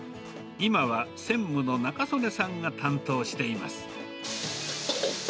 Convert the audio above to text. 今は専務の仲宗根さんが担当しています。